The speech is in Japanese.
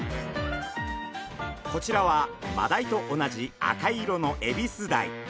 こちらはマダイと同じ赤色のエビスダイ。